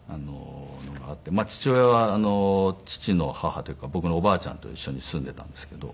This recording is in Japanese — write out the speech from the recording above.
父親は父の母というか僕のおばあちゃんと一緒に住んでいたんですけど。